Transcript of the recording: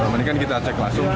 mendingan kita cek langsung